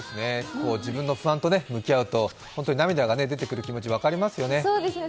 自分の不安と向き合うと涙が出てくる気持ち分かりますね。